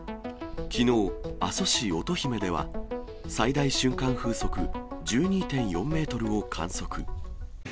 きのう、阿蘇市乙姫では、最大瞬間風速１２．４メートルを観測。